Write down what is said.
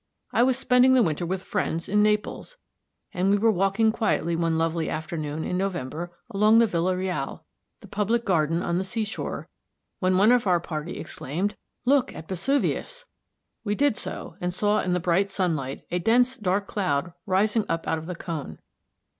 I was spending the winter with friends in Naples, and we were walking quietly one lovely afternoon in November along the Villa Reale, the public garden on the sea shore, when one of our party exclaimed, "Look at Vesuvius!" We did so, and saw in the bright sunlight a dense dark cloud rising up out of the cone.